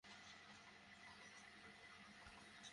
উনি এমনিতেই ভয়ে আছে!